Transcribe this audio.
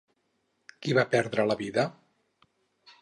Qui va perdre la vida?